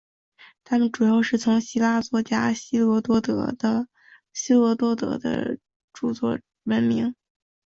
他们主要是从古希腊作家希罗多德的着作闻名。